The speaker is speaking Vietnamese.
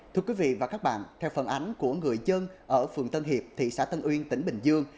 thưa quý vị và các bạn theo phần ánh của người dân ở phường tân hiệp thị xã tân uyên tỉnh bình dương